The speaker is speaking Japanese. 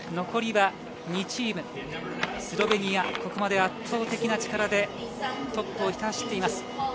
残りは２チーム、スロベニア、ここまで圧倒的な力でトップをひた走っています。